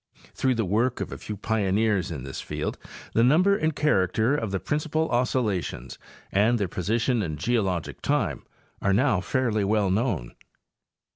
Through the work of a few pioneers in this field the number and character of the principal oscillations and their position in geo logic time are now fairly well known.